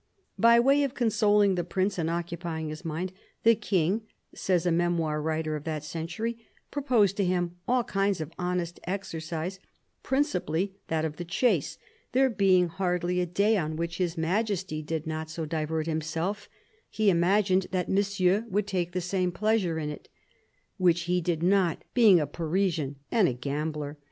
By way of consoling the Prince and occupying his mind, " the King," says a memoir writer of that century, " pro posed to him all kinds of honest exercise, principally that of the chase : there being hardly a day on which His Majesty i8o CARDINAL DE RICHELIEU did not so divert himself, he imagined that Monsieur would take the same pleasure in it" — which he did not, being a Parisian and a gambler.